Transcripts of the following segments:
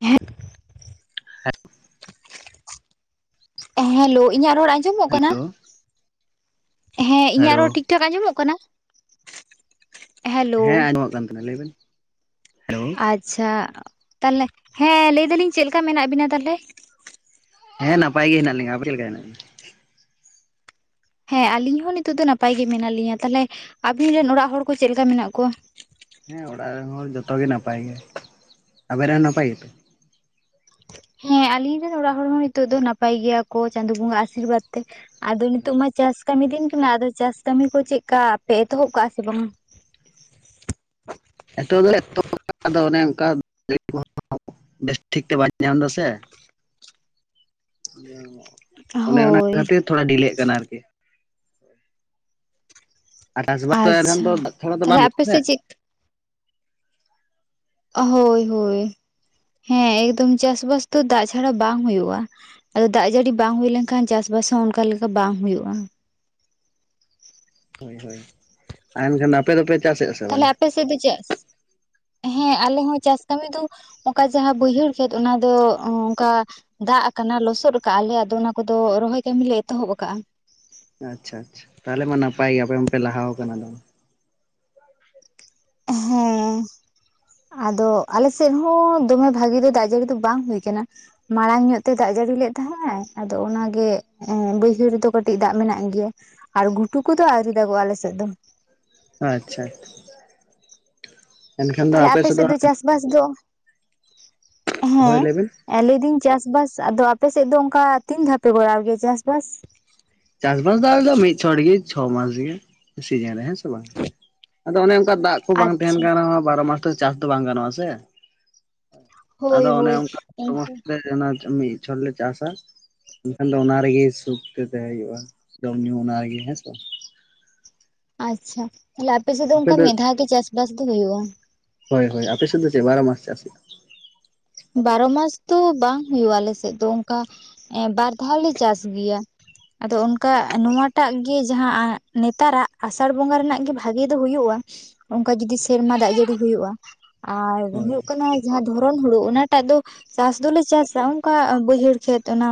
ᱦᱮ᱾ Hello ᱤᱧᱟᱹᱜ ᱨᱚᱲ ᱟᱸᱡᱚᱢᱚᱜ ᱠᱟᱱᱟ? ᱦᱮᱞᱳ ᱦᱮᱸ ᱤᱧᱟᱹᱜ ᱦᱮᱞᱳ ᱨᱚᱲ ᱴᱷᱤᱠ ᱴᱷᱟᱠ ᱟᱸᱡᱚᱢᱚᱜ ᱠᱟᱱᱟ? ᱦᱮᱞᱳ ᱦᱮᱸ ᱟᱸᱡᱚᱢᱚᱜ ᱠᱟᱱ ᱛᱷᱮᱱᱟ ᱞᱟᱹᱭ ᱵᱮᱱ ᱦᱮᱞᱳ᱾ ᱟᱪᱪᱷᱟ ᱛᱟᱦᱚᱞᱮ ᱦᱮᱸ ᱞᱟᱹᱭ ᱫᱟᱞᱤᱧ ᱪᱮᱞᱠᱟ ᱢᱮᱱᱟᱜ ᱵᱤᱱᱟ ᱛᱟᱦᱚᱞᱮ? ᱦᱮᱸ ᱱᱟᱯᱟᱭ ᱜᱮ ᱦᱮᱱᱟᱜ ᱞᱤᱧᱟ ᱟᱯᱮ ᱪᱮᱫ ᱞᱮᱠᱟ ᱦᱮᱱᱟᱜ ᱯᱮᱭᱟ? ᱦᱮᱸ ᱟᱞᱤᱧ ᱦᱚᱸ ᱱᱤᱛᱚᱜ ᱫᱚ ᱱᱟᱯᱟᱭ ᱜᱮ ᱢᱮᱱᱟᱜ ᱞᱤᱧᱟ ᱛᱟᱦᱚᱞᱮ ᱟᱵᱤᱱ ᱨᱮᱱ ᱚᱲᱟᱜ ᱦᱚᱲ ᱠᱚ ᱪᱮᱞᱠᱟ ᱢᱮᱱᱟᱜ ᱠᱚᱣᱟ? ᱦᱮᱸ ᱚᱲᱟᱜ ᱨᱮᱱ ᱦᱚᱲ ᱡᱚᱛᱚ ᱜᱮ ᱱᱟᱯᱟᱭ ᱜᱮ ᱟᱵᱮᱱ ᱨᱮᱱ ᱱᱟᱯᱟᱭ ᱜᱮᱛᱚ? ᱦᱮᱸ ᱟᱞᱤᱧ ᱨᱮᱱ ᱚᱲᱟᱜ ᱦᱚᱲ ᱦᱚᱸ ᱱᱤᱛᱚᱜ ᱫᱚ ᱱᱟᱯᱟᱭ ᱜᱮᱭᱟ ᱠᱚ ᱪᱟᱸᱫᱳ ᱵᱚᱸᱜᱟ ᱟᱥᱤᱨᱵᱟᱫᱼᱼ ᱛᱮ ᱟᱫᱚ ᱱᱤᱛᱚᱜ ᱢᱟ ᱪᱟᱥ ᱠᱟᱹᱢᱤ ᱫᱤᱱ ᱠᱟᱱᱟ ᱟᱫᱚ ᱪᱟᱥ ᱠᱟᱹᱢᱤ ᱠᱚ ᱪᱮᱜᱠᱟ ᱟᱯᱮ ᱮᱛᱚᱦᱚᱵ ᱠᱟᱜᱼᱟ ᱥᱮ ᱵᱟᱝᱼᱟ? ᱮᱛᱚᱦᱚᱵ ᱫᱚᱞᱮ ᱮᱛᱚᱦᱚᱵ ᱟᱠᱟᱜᱼᱟ ᱟᱫᱚ ᱚᱱᱮ ᱚᱱᱠᱟ [unintelligible] ᱵᱮᱥ ᱴᱷᱤᱠ ᱛᱮ ᱵᱟᱧ ᱧᱟᱢᱫᱟ ᱥᱮ᱾ [unintelligible] ᱚᱱᱮ ᱚᱱᱟ ᱦᱳᱭ ᱠᱷᱟᱹᱛᱤᱨ ᱛᱷᱚᱲᱟ ᱰᱷᱤᱞᱟᱹᱜ ᱠᱟᱱᱟ ᱟᱨᱠᱤ᱾ ᱟᱨ ᱪᱟᱥ ᱵᱟᱥ ᱫᱚ ᱮᱱᱦᱚᱸ ᱠᱷᱟᱱ ᱟᱪᱪᱷᱟ ᱛᱚ ᱫᱟᱜ ᱪᱷᱟᱲᱟ ᱫᱚ ᱛᱟᱦᱚᱞᱮ ᱵᱟᱝ ᱦᱩᱭᱩᱜᱼᱟ ᱟᱯᱮ ᱥᱮ᱾ ᱥᱮᱫ ᱪᱮᱫ ᱦᱳᱭ ᱦᱳᱭ ᱦᱮᱸ ᱮᱠᱫᱚᱢ ᱪᱟᱥ ᱵᱟᱥ ᱫᱚ ᱫᱟᱜ ᱪᱷᱟᱲᱟ ᱵᱟᱝ ᱦᱩᱭᱩᱜᱼᱟ᱾ ᱟᱫᱚ ᱫᱟᱜ ᱡᱟᱹᱲᱤ ᱵᱟᱝ ᱦᱩᱭ ᱞᱮᱱ ᱠᱷᱟᱱ ᱪᱟᱥ ᱵᱟᱥ ᱦᱚᱸ ᱚᱱᱠᱟ ᱞᱮᱠᱟ ᱵᱟᱝ ᱦᱳᱭᱳᱜᱼᱟ᱾ ᱦᱳᱭ ᱦᱳᱭ ᱮᱱᱠᱷᱟᱱ ᱟᱯᱮ ᱫᱚᱯᱮ ᱪᱟᱥᱮᱜ ᱟᱥᱮ ᱛᱟᱦᱞᱮ ᱵᱟᱝᱼᱟ? ᱟᱯᱮ ᱥᱮ ᱫᱚ ᱪᱮᱫ᱾ ᱦᱮᱸ ᱟᱞᱮ ᱦᱚᱸ ᱪᱟᱥ ᱠᱟᱹᱢᱤ ᱫᱚ ᱚᱱᱠᱟ ᱡᱟᱦᱟᱸ ᱵᱟᱹᱭᱦᱟᱹᱲ ᱠᱷᱮᱛ ᱚᱱᱟ ᱫᱚ ᱚᱱᱠᱟ᱾ ᱫᱟᱜ ᱟᱠᱟᱱᱟ ᱞᱚᱥᱚᱫ ᱟᱠᱟᱜ ᱟᱞᱮ ᱟᱫᱚ ᱚᱱᱟ ᱠᱚᱫᱚ ᱨᱚᱦᱚᱭ ᱠᱟᱹᱢᱤ ᱞᱮ ᱮᱛᱚᱦᱚᱵ ᱟᱠᱟᱜᱼᱟ᱾ ᱟᱪᱪᱷᱟ ᱟᱪᱪᱷᱟ ᱛᱟᱦᱚᱞᱮ ᱢᱟ ᱱᱟᱯᱟᱭ ᱜᱮ ᱟᱯᱮ ᱢᱟᱯᱮ ᱞᱟᱦᱟ ᱟᱠᱟᱱᱟ ᱟᱫᱚ᱾ ᱦᱮᱸᱻ ᱟᱫᱚ ᱟᱞᱮ ᱥᱮᱫ ᱦᱚᱸ ᱫᱚᱢᱮ ᱵᱷᱟᱹᱜᱤ ᱫᱚ ᱫᱟᱜ ᱡᱟᱹᱲᱤ ᱫᱚ ᱵᱟᱝ ᱦᱩᱭ ᱠᱟᱱᱟ᱾ ᱢᱟᱲᱟᱝ ᱧᱚᱜ ᱛᱮ ᱫᱟᱜ ᱡᱟᱹᱲᱤ ᱞᱮᱫ ᱛᱟᱦᱮᱸᱼᱟᱭ ᱟᱫᱚ ᱚᱱᱟ ᱜᱮ᱾ ᱦᱮᱸ ᱵᱟᱹᱭᱦᱟᱹᱲ ᱨᱮᱫᱚ ᱠᱟᱹᱴᱤᱡ ᱫᱟᱜ ᱢᱮᱱᱟᱜ ᱜᱮᱭᱟ ᱟᱨ ᱜᱷᱩᱴᱩ ᱠᱚᱫᱚ ᱟᱹᱣᱨᱤ ᱫᱟᱜᱚᱜᱼᱟ ᱟᱞᱮ ᱥᱮᱫ ᱫᱚ᱾ ᱟᱪᱪᱷᱟ ᱛᱟᱦᱚᱞᱮ ᱟᱯᱮ ᱥᱮᱫ ᱫᱚ ᱪᱟᱥ ᱵᱟᱥ ᱫᱚ ᱦᱳᱭ ᱦᱮᱸ᱾ ᱞᱟᱹᱭ ᱵᱮᱱ ᱮ ᱞᱟᱹᱭ ᱫᱟᱹᱧ ᱪᱟᱥ ᱵᱟᱥ ᱟᱫᱚ ᱟᱯᱮ ᱥᱮᱜ ᱫᱚ ᱚᱱᱠᱟ ᱛᱤᱱ ᱫᱷᱟᱣ ᱯᱮ ᱠᱚᱨᱟᱣ ᱜᱮᱭᱟ ᱪᱟᱥ ᱵᱟᱥ ᱪᱟᱥ ᱵᱟᱥ ᱫᱚ ᱟᱞᱮ ᱫᱚ ᱢᱤᱫ ᱪᱷᱚᱴᱜᱮ ᱪᱷᱚ ᱢᱟᱥ ᱜᱮ ᱥᱤᱡᱤᱱ ᱨᱮ ᱦᱮᱸ ᱥᱮ ᱵᱟᱝ ᱟᱫᱚ ᱚᱱᱮ ᱚᱱᱠᱟ ᱫᱟᱜ ᱠᱚ ᱵᱟᱝ ᱛᱟᱦᱮᱱ ᱟᱪᱪᱷᱟ ᱠᱟᱱ ᱨᱮᱦᱚᱸ ᱵᱟᱨᱚ ᱢᱟᱥ ᱛᱮ ᱪᱟᱥ ᱫᱚ ᱵᱟᱝ ᱜᱟᱱᱚᱜᱼᱟ ᱥᱮ ᱾ ᱦᱳᱭ ᱟᱫᱚ ᱚᱱᱮ ᱦᱳᱭ ᱚᱱᱠᱟ [unintelligible] ᱥᱮ [unintelligible] ᱢᱤᱫ ᱪᱷᱚᱴ ᱞᱮ ᱪᱟᱥᱟ ᱮᱱᱠᱷᱟᱱ ᱫᱚ ᱚᱱᱟ ᱨᱮᱜᱮ ᱥᱩᱫᱼᱼ ᱴᱮ ᱦᱩᱭᱩᱜᱼᱟ ᱡᱚᱢ ᱧᱩ ᱚᱱᱟ ᱨᱮᱜᱮ ᱦᱮᱸᱥᱮ ᱟᱪᱪᱷᱟ ᱛᱟᱦᱚᱞᱮ ᱟᱯᱮ ᱥᱮᱫ ᱫᱚ ᱚᱱᱠᱟ ᱢᱮᱫᱷᱟᱣ ᱜᱮ ᱪᱟᱥ ᱵᱟᱥ ᱫᱚ ᱦᱩᱭᱩᱜᱼᱟ ᱾ ᱦᱳᱭ ᱦᱳᱭ ᱟᱯᱮ ᱥᱮᱫ ᱫᱚ ᱪᱮ ᱵᱟᱨᱚ ᱢᱟᱥ ᱪᱟᱥ ᱦᱩᱭᱩᱜᱼᱟ ᱵᱟᱨᱚ ᱢᱟᱥ ᱫᱚ ᱵᱟᱝ ᱦᱩᱭᱩᱜᱼᱟ ᱟᱞᱮ ᱥᱮᱫ ᱫᱚ ᱚᱱᱠᱟ ᱮᱸ ᱵᱟᱨ ᱫᱷᱟᱣᱞᱮ ᱪᱟᱥ ᱜᱮᱭᱟ ᱾ ᱟᱫᱚ ᱚᱱᱠᱟ ᱱᱚᱣᱟᱴᱟᱜ ᱜᱮ ᱡᱟᱦᱟᱸ ᱱᱮᱛᱟᱨᱟᱜ ᱟᱥᱟᱲ ᱵᱚᱸᱜᱟ ᱨᱮᱱᱟᱜ ᱜᱮ ᱵᱷᱟᱜᱮ ᱫᱚ ᱦᱩᱭᱩᱜᱼᱟ ᱾ ᱚᱝᱠᱟ ᱡᱩᱫᱤ ᱥᱮᱨᱢᱟ ᱫᱟᱜ ᱡᱟᱹᱲᱤ ᱦᱩᱭᱩᱜᱼᱟ ᱟᱨ ᱦᱳᱭ ᱦᱩᱭᱩᱜ ᱠᱟᱱᱟ ᱡᱟᱦᱟᱸ ᱫᱷᱚᱨᱚᱱ ᱦᱩᱲᱩ ᱚᱱᱟᱼᱼ ᱟᱫᱚ ᱪᱟᱥ ᱫᱚᱞᱮ ᱪᱟᱥᱟ ᱚᱱᱠᱟ ᱵᱟᱹᱭᱦᱟᱹᱲ ᱠᱷᱮᱛ ᱚᱱᱟᱼᱼ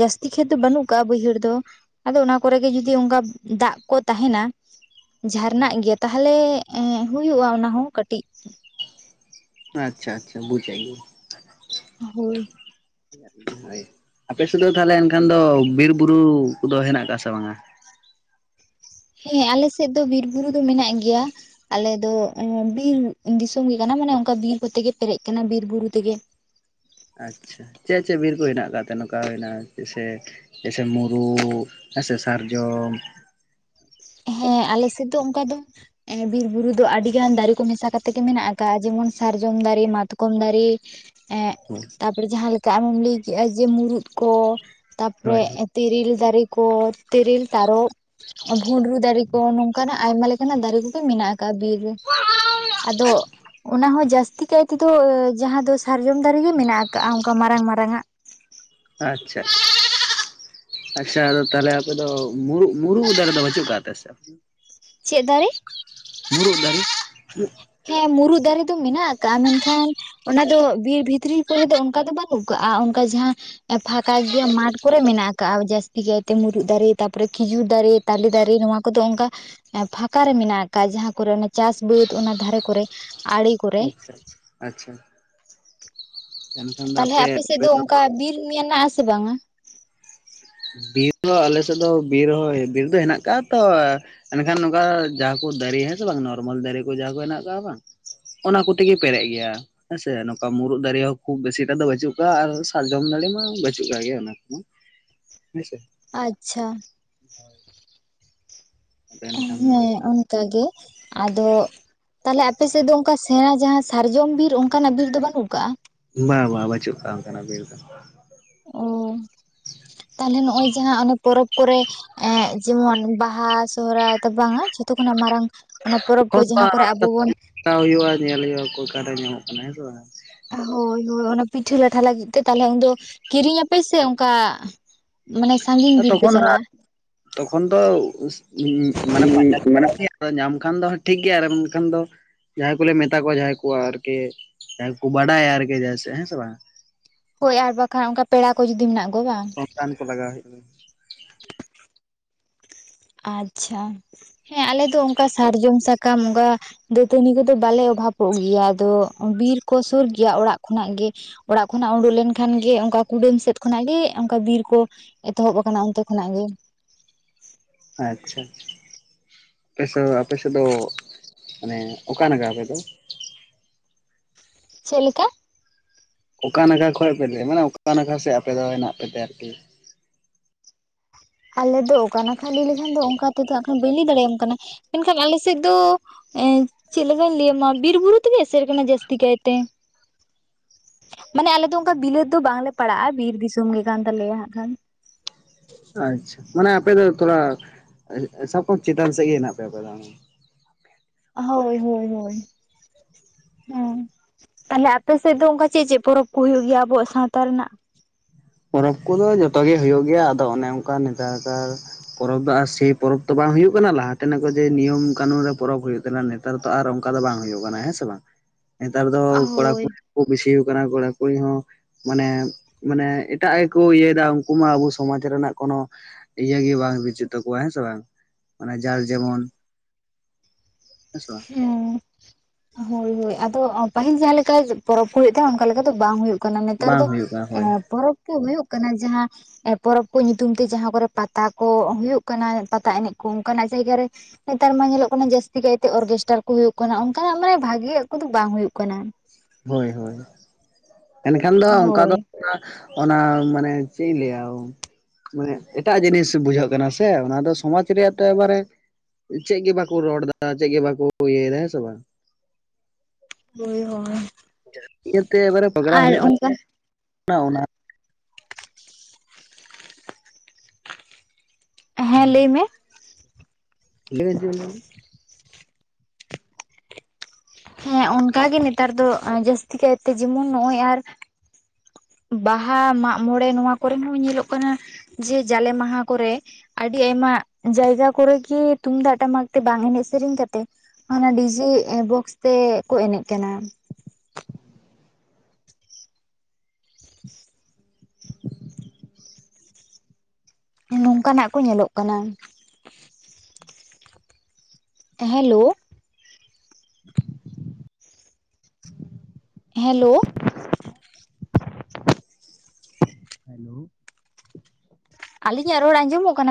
ᱡᱟᱹᱥᱛᱤ ᱠᱷᱮᱛ ᱫᱚ ᱵᱟᱹᱱᱩᱜ ᱠᱟ ᱵᱟᱹᱭᱦᱟᱹᱲ ᱫᱚ ᱟᱫᱚ ᱚᱱᱟ ᱠᱚᱨᱮᱜ ᱜᱮ ᱡᱚᱫᱤ ᱚᱝᱠᱟ ᱫᱟᱜ ᱠᱚ ᱛᱟᱦᱮᱱᱟ ᱡᱷᱟᱨᱱᱟᱜ ᱜᱮᱭᱟ ᱛᱟᱦᱚᱞᱮ ᱮ ᱦᱩᱭᱩᱜᱼᱟ ᱚᱱᱟ ᱦᱚᱸ ᱠᱟᱹᱴᱤᱡᱼᱼ ᱟᱪᱪᱷᱟ ᱟᱪᱪᱷᱟ, ᱵᱩᱡᱽ ᱟᱭᱤᱧ ᱾ ᱦᱳᱭ ᱾ [inaudible] ᱦᱳᱭ ᱟᱯᱮ ᱥᱮᱫ ᱫᱚ ᱛᱟᱦᱚᱞᱮ ᱮᱱᱠᱷᱟᱱ ᱫᱚ ᱵᱤᱨ ᱵᱩᱨᱩ ᱠᱚᱫᱚ ᱦᱮᱱᱟᱜ ᱟᱠᱟᱜ-ᱟ ᱥᱮ ᱵᱟᱝ-ᱟ? ᱦᱮᱸ ᱟᱞᱮ ᱥᱮᱫ ᱫᱚ ᱵᱤᱨ ᱵᱩᱨᱩ ᱫᱚ ᱢᱮᱱᱟᱜ ᱜᱮᱭᱟ ᱾ ᱟᱞᱮ ᱫᱚ ᱵᱤᱨ ᱫᱤᱥᱚᱢ ᱜᱮ ᱠᱟᱱᱟ ᱢᱟᱱᱮ ᱚᱱᱠᱟ ᱵᱤᱨ ᱠᱚᱛᱮ ᱜᱮ ᱯᱮᱨᱮᱡ ᱠᱟᱱᱟ, ᱵᱤᱨ ᱵᱩᱨᱩ ᱛᱮᱜᱮ ᱾ ᱟᱪᱪᱷᱟ, ᱪᱮᱜ ᱪᱮᱜ ᱵᱤᱨ ᱠᱚ ᱦᱮᱱᱟᱜ ᱠᱟᱜ ᱛᱮ ᱱᱚᱝᱠᱟ ᱦᱩᱭ ᱮᱱᱟ ᱥᱮ ᱡᱮᱭᱥᱮ ᱢᱩᱨᱩᱫ ᱦᱮᱸ ᱥᱮ ᱥᱟᱨᱡᱚᱢ ᱾ ᱦᱮᱸ ᱟᱞᱮᱥᱮᱫ ᱫᱚ ᱚᱱᱠᱟ ᱫᱚ ᱮ ᱵᱤᱨ ᱵᱩᱨᱩ ᱫᱚ ᱟᱰᱤᱜᱟᱱ ᱫᱟᱨᱮ ᱠᱚ ᱢᱮᱥᱟ ᱠᱟᱛᱮ ᱜᱮ ᱢᱮᱱᱟᱜ ᱟᱠᱟᱜ-ᱟ, ᱡᱮᱢᱚᱱ ᱥᱟᱨᱡᱚᱢ ᱫᱟᱨᱮ ᱢᱟᱛᱠᱚᱢ ᱫᱟᱨᱮ ᱮᱜ [inaudible] ᱛᱟᱯᱚᱬᱮ ᱡᱟᱦᱟᱸ ᱞᱮᱠᱟ ᱟᱢᱮᱢ ᱞᱮᱭ ᱠᱮᱜ-ᱟ ᱡᱮ ᱢᱩᱨᱩᱫ ᱠᱚ, ᱦᱳᱭ ᱛᱟᱯᱚᱨᱮ ᱛᱤᱨᱤᱞ ᱫᱟᱨᱮ ᱠᱚ ᱛᱤᱨᱤᱞ ᱛᱟᱨᱚᱵ [inaudible] ᱵᱷᱩᱸᱰᱨᱩ ᱫᱟᱨᱮ ᱠᱚ ᱱᱚᱝᱠᱟᱱᱟᱜ ᱟᱭᱢᱟ ᱞᱮᱠᱟᱱᱟᱜ ᱫᱟᱨᱮ ᱠᱚᱜᱮ ᱢᱮᱱᱟᱜ-ᱟ ᱾ [unintelligible] ᱵᱤᱨ ᱨᱮ [inaudible] ᱟᱫᱚ ᱚᱱᱟ ᱦᱚᱸ ᱡᱟᱹᱥᱛᱤ ᱠᱟᱭ ᱛᱤ ᱫᱚ ᱡᱟᱦᱟᱸ ᱫᱚ ᱥᱟᱨᱡᱚᱢ ᱫᱟᱨᱮ ᱜᱮ ᱢᱮᱱᱟᱜ ᱟᱠᱟᱜ-ᱟ ᱚᱱᱠᱟ ᱢᱟᱨᱟᱝ ᱢᱟᱨᱟᱝ ᱟᱜ ᱾ ᱟᱪᱪᱷᱟ ᱾ [inaudible] ᱟᱪᱪᱷᱟ ᱟᱫᱚ ᱛᱟᱦᱚᱞᱮ ᱟᱯᱮ ᱫᱚ ᱢᱩᱨᱩᱜ ᱢᱩᱨᱩᱜ ᱫᱟᱨᱮ ᱫᱚ ᱵᱟᱹᱪᱩᱜ ᱠᱟᱜ ᱛᱮ ᱥᱮ? ᱪᱮᱜ ᱫᱟᱨᱮ? ᱢᱩᱨᱩᱜ ᱫᱟᱨᱮ? ᱦᱮᱸ ᱢᱩᱨᱩᱫ ᱫᱟᱨᱮ ᱫᱚ ᱢᱮᱱᱟᱜ ᱟᱠᱟᱜ-ᱟ ᱢᱮᱱᱠᱷᱟᱱ ᱚᱱᱟ ᱫᱚ ᱵᱤᱨ ᱵᱷᱤᱛᱨᱤ ᱠᱚᱨᱮ ᱫᱚ ᱚᱱᱠᱟ ᱫᱚ ᱵᱟᱹᱱᱩᱜ ᱟᱠᱟᱜ-ᱟ ᱾ ᱚᱱᱠᱟ ᱡᱟᱦᱟᱸ ᱮ ᱯᱷᱟᱸᱠᱟ ᱜᱮᱭᱟ ᱢᱟᱴᱷ ᱠᱚᱨᱮ ᱢᱮᱱᱟᱜ ᱟᱠᱟᱜ-ᱟ ᱡᱟᱹᱥᱛᱤ ᱠᱟᱭᱛᱮ ᱢᱩᱨᱩᱫ ᱫᱟᱨᱮ ᱛᱟᱨᱯᱚᱨᱮ ᱠᱷᱤᱡᱩᱨ ᱫᱟᱨᱮ ᱛᱟᱞᱮ ᱫᱟᱨᱮ ᱱᱚᱣᱟ ᱠᱚᱫᱚ ᱚᱱᱠᱟ ᱯᱷᱟᱸᱠᱟ ᱨᱮ ᱢᱮᱱᱟᱜ ᱟᱠᱟᱜ-ᱟ, ᱡᱟᱦᱟᱸ ᱠᱚᱨᱮ ᱚᱱᱟ ᱪᱟᱥ ᱵᱟᱹᱫ ᱚᱱᱟ ᱫᱷᱟᱨᱮ ᱠᱚᱨᱮ ᱟᱲᱮ ᱠᱚᱨᱮ ᱟᱪᱪᱷᱟ ᱟᱪᱪᱷᱟ ᱟᱪᱪᱷᱟ ᱾ ᱛᱟᱦᱚᱞᱮ ᱟᱯᱮᱥᱮᱫ ᱫᱚ ᱚᱱᱠᱟ ᱵᱤᱨ ᱢᱮᱱᱟᱜ ᱟᱥᱮ ᱵᱟᱝᱟ? ᱵᱤᱨ ᱫᱚ ᱟᱞᱮᱥᱮᱫ ᱫᱚ ᱵᱤᱨ ᱦᱚ ᱵᱤᱨ ᱫᱚ ᱦᱮᱱᱟᱜ ᱟᱠᱟᱜ-ᱟ ᱛᱚ ᱻ ᱮᱱᱠᱷᱟᱱ ᱱᱚᱝᱠᱟ ᱡᱟ ᱠᱚ ᱫᱟᱨᱮ ᱦᱮᱸ ᱥᱮ ᱵᱟᱝ, ᱱᱚᱨᱢᱟᱞ ᱫᱟᱨᱮ ᱠᱚ ᱡᱟ ᱠᱚ ᱦᱮᱱᱟᱜ ᱠᱟᱜ-ᱟ ᱵᱟᱝ ᱚᱱᱟ ᱠᱚᱛᱮ ᱜᱮ ᱯᱮᱨᱮᱜ ᱜᱮᱭᱟ ᱾ ᱦᱮᱸᱥᱮ ᱱᱚᱝᱠᱟ ᱢᱩᱨᱩᱫ ᱫᱟᱨᱮ ᱦᱚᱸ ᱠᱷᱩᱵ ᱵᱮᱥᱤᱴᱟ ᱫᱚ ᱵᱟᱹᱪᱩᱜ ᱠᱟᱜ-ᱟ ᱟᱨ ᱥᱟᱨᱡᱚᱢ ᱫᱟᱨᱮ ᱢᱟ ᱵᱟᱹᱪᱩᱜ ᱠᱟᱜ ᱜᱮ ᱚᱱᱟ ᱠᱚ ᱾ ᱦᱮᱸ ᱥᱮ ᱾ ᱟᱪᱪᱷᱟ ᱾ ᱦᱳᱭ ᱾ ᱫᱚ ᱦᱮᱸ ᱚᱱᱠᱟ ᱜᱮ, ᱟᱫᱚ ᱛᱟᱦᱞᱮ ᱟᱯᱮ ᱥᱮᱫ ᱫᱚ ᱚᱱᱠᱟ ᱥᱮᱬᱟ ᱡᱟᱦᱟᱸ ᱥᱟᱨᱡᱚᱢ ᱵᱤᱨ ᱚᱱᱠᱟᱱᱟᱜ ᱵᱤᱨ ᱫᱚ ᱵᱟᱹᱱᱩᱜ ᱠᱟᱜ-ᱟ? ᱵᱟ ᱵᱟ ᱵᱟᱹᱪᱩᱜ ᱠᱟᱜ-ᱟ ᱚᱱᱠᱟᱱᱟᱜ ᱵᱤᱨ ᱫᱚ ᱾ ᱚᱻ ᱛᱟᱦᱞᱮ ᱱᱚᱸᱜ-ᱚᱭ ᱡᱟᱦᱟᱸ ᱚᱱᱮ ᱯᱚᱨᱚᱵᱽ ᱠᱚᱨᱮ ᱮᱜ ᱡᱮᱢᱚᱱ ᱵᱟᱦᱟ ᱥᱚᱦᱚᱨᱟᱭ ᱫᱚ ᱵᱟᱝᱟ ᱡᱷᱚᱛᱚ ᱠᱷᱚᱱᱟᱜ ᱢᱟᱨᱟᱝ ᱚᱱᱟ ᱯᱚᱨᱚᱵᱽ ᱠᱚ ᱛᱚᱠᱷᱚᱱ ᱫᱚ ᱡᱟᱦᱟᱸ ᱠᱚᱨᱮᱜ ᱟᱵᱚ ᱵᱚᱱ ᱦᱟᱛᱟᱣ ᱦᱩᱭᱩᱜ-ᱟ ᱧᱮᱞ ᱦᱩᱭᱩᱜ-ᱟ [unintelligible] ᱧᱟᱢᱚᱜ ᱠᱟᱱᱟ ᱦᱮᱸᱥᱮ ᱵᱟᱝ ᱾ ᱦᱳᱭ ᱦᱳᱭ ᱚᱱᱟ ᱯᱤᱴᱷᱟᱹ ᱞᱟᱴᱷᱟ ᱞᱟᱹᱜᱤᱫ ᱛᱮ ᱛᱟᱦᱞᱮ ᱩᱱᱫᱚ ᱠᱤᱨᱤᱧ ᱟᱯᱮ ᱥᱮ ᱚᱱᱠᱟ ᱢᱟᱱᱮ ᱥᱟᱺᱜᱤᱧ ᱵᱤᱨ ᱯᱮ ᱛᱚᱠᱷᱚᱱ ᱪᱟᱞᱟᱜ-ᱟ? ᱛᱚᱠᱷᱚᱱ ᱛᱚ ᱩᱸᱻ ᱢᱟᱱᱮ ᱯᱟᱸᱡᱟ ᱞᱮ ᱢᱟᱱᱮ ᱪᱟᱞᱟᱜ ᱜᱮᱭᱟ ᱾ ᱟᱫᱚ ᱧᱟᱢ ᱠᱷᱟᱱ ᱫᱚ ᱦᱟᱸᱜ ᱴᱷᱤᱠ ᱜᱮᱭᱟ ᱟᱨ [unintelligible] ᱫᱚ ᱡᱟᱦᱟᱸᱭ ᱠᱚᱞᱮ ᱢᱮᱛᱟ ᱠᱚᱣᱟ ᱡᱟᱦᱟᱸᱭ ᱠᱚ ᱟᱨᱠᱤ ᱡᱟᱦᱟᱸ ᱠᱚ ᱵᱟᱰᱟᱭᱟ ᱟᱨᱠᱮ ᱡᱟᱭᱥᱮ ᱦᱮᱸᱥᱮ ᱵᱟᱝ? ᱦᱳᱭ ᱟᱨ ᱵᱟᱠᱷᱟᱱ ᱚᱱᱠᱟ ᱯᱮᱲᱟ ᱠᱚ ᱡᱩᱫᱤ ᱢᱮᱱᱟᱜ ᱠᱚᱣᱟ ᱵᱟᱝ? ᱨᱟᱱ ᱠᱚ ᱞᱟᱜᱟᱣ ᱦᱳᱭᱳᱜᱼᱟ᱾ ᱟᱪᱪᱷᱟ ᱦᱮᱸ ᱟᱞᱮᱫᱚ ᱚᱱᱠᱟ ᱥᱟᱨᱡᱚᱢ ᱥᱟᱠᱟᱢ ᱚᱱᱠᱟᱼᱼ ᱫᱟᱹᱛᱟᱹᱱᱤ ᱠᱚᱫᱚ ᱵᱟᱞᱮ ᱚᱵᱷᱟᱵᱚᱜ ᱜᱤᱭᱟ ᱟᱫᱚ ᱵᱤᱨ ᱠᱚ ᱥᱳᱨ ᱜᱤᱭᱟ ᱚᱲᱟᱜ ᱠᱷᱚᱱᱟᱜ ᱜᱮ᱾ ᱚᱲᱟᱜ ᱠᱷᱚᱱᱟᱜ ᱩᱸᱰᱩᱠ ᱞᱮᱱᱠᱷᱟᱱ ᱜᱮ ᱚᱱᱠᱟ ᱠᱩᱰᱟᱹᱢ ᱥᱮᱫ ᱠᱷᱚᱱᱟᱜ ᱜᱮ ᱚᱱᱠᱟ ᱵᱤᱨ ᱠᱚᱼᱼ ᱮᱛᱚᱦᱚᱵ ᱠᱟᱱᱟ ᱚᱱᱛᱮ ᱠᱷᱚᱱᱟᱜ ᱜᱮ᱾ ᱟᱪᱪᱷᱟ ᱟᱪᱷᱟ᱾ ᱟᱯᱮᱥ ᱟᱯᱮᱥᱮᱫ ᱫᱚ ᱢᱟᱱᱮ ᱚᱠᱟ ᱱᱟᱜᱟ ᱟᱯᱮ ᱫᱚ? ᱪᱮᱜ ᱞᱮᱠᱟ? ᱚᱠᱟ ᱱᱟᱜᱟ ᱠᱷᱚᱡ ᱯᱮ ᱞᱮᱭᱟ ᱢᱟᱱᱮ ᱚᱠᱟ ᱱᱟᱜᱷᱟ ᱥᱮᱡ ᱟᱯᱮ ᱫᱚ ᱦᱮᱱᱟᱜ ᱯᱮᱛᱮ ᱟᱨᱠᱤ᱾ ᱟᱞᱮ ᱫᱚ ᱚᱠᱟ ᱱᱟᱠᱷᱟ ᱞᱟᱹᱭ ᱞᱮᱠᱷᱟᱱ ᱫᱚ ᱚᱱᱠᱟ ᱛᱮᱫᱚ ᱵᱟᱹᱧ ᱞᱟᱹᱭ ᱫᱟᱲᱮᱭᱟᱢ ᱠᱟᱱᱟ ᱢᱮᱱᱠᱷᱟᱱ ᱟᱞᱮ ᱥᱮᱫ ᱫᱚᱼᱼ ᱮᱸ ᱪᱮᱫ ᱞᱮᱠᱟᱧ ᱞᱟᱹᱭ ᱟᱢᱟ ᱵᱤᱨ ᱵᱩᱨᱩ ᱛᱮᱜᱮ ᱮᱥᱮᱫ ᱠᱟᱱᱟ ᱡᱟᱹᱥᱛᱤ ᱠᱟᱭᱛᱮᱼᱼ ᱢᱟᱱᱮ ᱟᱞᱮ ᱫᱚ ᱚᱱᱠᱟ ᱵᱤᱞᱟᱹᱛ ᱫᱚ ᱵᱟᱝᱞᱮ ᱯᱟᱲᱟᱜᱼᱟ ᱵᱤᱨ ᱫᱤᱥᱚᱢ ᱜᱮ ᱠᱟᱱ ᱛᱟᱞᱮᱭᱟ ᱦᱟᱸᱜ ᱠᱷᱟᱱ᱾ ᱟᱪᱪᱷᱟ ᱢᱟᱱᱮ ᱟᱯᱮ ᱫᱚ ᱛᱷᱚᱲᱟ ᱥᱟᱵ ᱠᱟᱜᱢᱮ ᱪᱮᱛᱟᱱ ᱥᱮᱜ ᱜᱮ ᱦᱮᱱᱟᱜ ᱯᱮᱭᱟ ᱟᱯᱮ ᱫᱚ᱾ ᱦᱳᱭ, ᱦᱳᱭ, ᱦᱳᱭ ᱦᱮᱸ ᱛᱟᱦᱞᱮ ᱟᱯᱮᱥᱮᱫ ᱫᱚ ᱚᱱᱠᱟ ᱪᱮᱜ ᱪᱮᱜ ᱯᱚᱨᱚᱵᱽ ᱠᱚ ᱦᱩᱭᱩᱜ ᱜᱮᱭᱟ ᱟᱵᱚᱣᱟᱜ ᱥᱟᱶᱛᱟ ᱨᱮᱱᱟᱜ? ᱯᱚᱨᱚᱵᱽ ᱠᱚᱫᱚ ᱡᱷᱚᱛᱚ ᱜᱮ ᱦᱳᱭᱳᱜ ᱜᱮᱭᱟ ᱟᱫᱚ ᱚᱱᱮ ᱚᱱᱠᱟ ᱱᱮᱛᱟᱨᱼᱼ ᱯᱚᱨᱚᱵᱽ ᱫᱚ ᱟᱨ ᱥᱮᱭ ᱯᱚᱨᱚᱵᱽ ᱛᱚ ᱵᱟᱝ ᱦᱩᱭᱩᱜ ᱠᱟᱱᱟ ᱞᱟᱦᱟᱛᱮᱱᱟᱜ ᱠᱚᱡᱮ ᱱᱤᱭᱚᱢ ᱠᱟᱹᱱᱩᱱ ᱨᱮ ᱯᱚᱨᱚᱵᱽ ᱦᱩᱭᱩᱜ ᱛᱟᱦᱮᱱᱟᱼᱼ ᱱᱮᱛᱟᱨ ᱫᱚ ᱟᱨ ᱚᱱᱠᱟ ᱫᱚ ᱵᱟᱝ ᱦᱩᱭᱩᱜ ᱠᱟᱱᱟ ᱦᱮᱸ ᱥᱮ ᱵᱟᱝ? ᱱᱮᱛᱟᱨ ᱫᱚ ᱠᱚᱲᱟ ᱦᱳᱭ ᱠᱩᱲᱤ ᱠᱩ ᱵᱤᱥᱤᱭᱩ ᱠᱟᱱᱟ ᱠᱚᱲᱟ ᱠᱩᱲᱤ ᱦᱚᱸ ᱢᱟᱱᱮ ᱢᱟᱱᱮᱼᱼ ᱮᱴᱟᱜ ᱜᱮᱠᱚ ᱤᱭᱟᱹᱭᱫᱟ ᱩᱱᱠᱩ ᱢᱟ ᱟᱵᱚ ᱥᱚᱢᱟᱡᱽ ᱨᱮᱱᱟᱜ ᱠᱳᱱᱳᱼᱼ ᱤᱭᱟᱹ ᱜᱤ ᱵᱟᱝ ᱵᱤᱪᱤᱛ ᱛᱟᱠᱚᱣᱟ ᱦᱮᱸ ᱥᱮ ᱵᱟᱝ? ᱡᱟᱨ ᱡᱮᱢᱚᱱ ᱦᱮᱸᱥᱮ ᱵᱟᱝ? ᱦᱩᱸ ᱦᱳᱭ ᱦᱳᱭ ᱟᱫᱚ ᱯᱟᱹᱦᱤᱞ ᱡᱟᱦᱟᱸ ᱞᱮᱠᱟ ᱯᱚᱨᱚᱵᱽ ᱠᱚ ᱦᱳᱭᱳᱜ ᱛᱟᱦᱮᱸᱫ ᱚᱱᱠᱟ ᱞᱮᱠᱟ ᱫᱚ ᱵᱟᱝ ᱦᱳᱭᱳᱜᱼᱼ ᱠᱟᱱᱟ ᱱᱮᱛᱟᱨ ᱵᱟᱝ ᱫᱚ ᱦᱩᱭᱩᱜ ᱠᱟᱱᱟ ᱮ ᱦᱳᱭ ᱯᱚᱨᱚᱵᱽ ᱠᱮ ᱦᱩᱭᱩᱜ ᱠᱟᱱᱟ ᱡᱟᱦᱟᱸᱼᱼ ᱯᱚᱨᱚᱵᱽ ᱠᱚ ᱧᱩᱛᱩᱢ ᱛᱮ ᱡᱟᱦᱟᱸ ᱠᱚᱨᱮ ᱯᱟᱛᱟ ᱠᱚ ᱦᱩᱭᱩᱜ ᱠᱟᱱᱟ ᱯᱟᱛᱟ ᱮᱱᱮᱡ ᱠᱚ ᱚᱱᱠᱟᱱᱟᱜ ᱡᱟᱭᱜᱟ ᱨᱮᱼᱼ ᱱᱮᱛᱟᱨ ᱢᱟ ᱧᱮᱞᱚᱜ ᱠᱟᱱᱟ ᱡᱟᱹᱥᱛᱤ ᱠᱟᱭᱛᱮ ᱚᱨᱜᱮᱥᱴᱟᱨ ᱠᱚ ᱦᱩᱭᱩᱜ ᱠᱟᱱᱟ ᱚᱱᱠᱟᱱᱟᱜ ᱢᱟᱱᱮ ᱵᱷᱟᱜᱤᱭᱟᱜ ᱠᱚᱫᱚ ᱵᱟᱝ ᱦᱩᱭᱩᱜ ᱠᱟᱱᱟ ᱦᱳᱭ ᱦᱳᱭ ᱮᱱᱠᱷᱟᱱ ᱫᱚ ᱚᱱᱠᱟ ᱫᱚᱼᱼ ᱦᱳᱭ ᱚᱱᱟ ᱢᱟᱱᱮ ᱪᱮᱜ ᱤᱧ ᱞᱟᱹᱭᱟ? ᱢᱟᱱᱮ ᱮᱴᱟᱜ ᱡᱤᱱᱤᱥ ᱵᱩᱡᱷᱟᱹᱣᱜ ᱠᱟᱱᱟ ᱥᱮ ᱚᱱᱟ ᱫᱚ ᱥᱚᱢᱟᱡᱽ ᱨᱮᱭᱟᱜ ᱛᱚ ᱮᱠᱵᱟᱨᱮᱼᱼ ᱪᱮᱜ ᱜᱤ ᱵᱟᱠᱚ ᱨᱚᱲ ᱫᱟ ᱪᱮᱜ ᱜᱮ ᱵᱟᱠᱚ ᱤᱭᱟᱹᱭᱮᱫᱟ ᱦᱮᱸ ᱥᱮ ᱵᱟᱝ? ᱢᱩᱭ ᱦᱳᱭ ᱧᱮᱞᱛᱮ ᱮᱵᱟᱨᱮ ᱯᱨᱳᱜᱨᱟᱢ ᱟᱨ ᱦᱩᱭᱩᱜ ᱚᱱᱠᱟ ᱠᱟᱱᱟ ᱚᱱᱟᱼᱼ ᱦᱮᱸ ᱦᱮᱞᱳ ᱞᱟᱹᱭ ᱢᱮ? ᱞᱟᱹᱭ ᱤᱫᱤ ᱢᱮ? ᱦᱮᱸ ᱚᱱᱠᱟ ᱜᱮ ᱱᱮᱛᱟᱨ ᱫᱚ ᱡᱟᱹᱥᱛᱤ ᱠᱟᱭᱛᱮ ᱡᱮᱢᱚᱱ ᱱᱚᱜᱼᱚᱭ ᱟᱨᱼᱼ ᱵᱟᱦᱟ ᱢᱟᱜᱢᱚᱸᱬᱮ ᱱᱚᱣᱟ ᱠᱚᱨᱮ ᱦᱚᱸ ᱧᱮᱞᱚᱜ ᱠᱟᱱᱟ ᱡᱮ ᱡᱟᱞᱮ ᱢᱟᱦᱟ ᱠᱚᱨᱮᱼᱼ ᱟᱹᱰᱤ ᱟᱭᱢᱟ ᱡᱟᱭᱜᱟ ᱠᱚᱨᱮᱜᱤ ᱛᱩᱢᱫᱟᱜ ᱴᱟᱢᱟᱠ ᱛᱮ ᱵᱟᱝ ᱮᱱᱮᱡ ᱥᱮᱨᱮᱧ ᱠᱟᱛᱮᱜᱼᱼ ᱚᱱᱟ ᱰᱤᱡᱮ ᱵᱚᱠᱥ ᱛᱮ ᱠᱚ ᱮᱱᱮᱡ ᱠᱟᱱᱟ᱾ ᱦᱚᱸ ᱱᱚᱝᱼᱠᱟᱱᱟᱜ ᱠᱚ ᱧᱮᱞᱚᱜ ᱠᱟᱱᱟ᱾ Hello [inaudible] hello? ᱦᱮᱞᱳ ᱟᱞᱤᱧᱟᱜ ᱨᱚᱲ ᱟᱸᱡᱚᱢᱚᱜ ᱠᱟᱱᱟ ᱥᱮ?